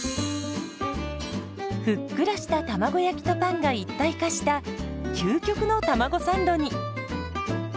ふっくらした卵焼きとパンが一体化した究極のたまごサンドに。